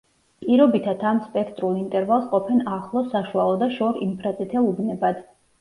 პირობითად ამ სპექტრულ ინტერვალს ყოფენ ახლო, საშუალო და შორ ინფრაწითელ უბნებად.